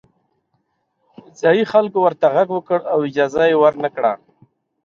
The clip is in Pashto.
ځايي خلکو ورته غږ وکړ او اجازه یې ورنه کړه.